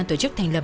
tổ chức thành lập